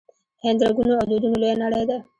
هند د رنګونو او دودونو لویه نړۍ ده.